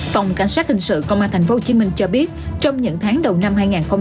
phòng cảnh sát hình sự công an tp hcm cho biết trong những tháng đầu năm hai nghìn hai mươi bốn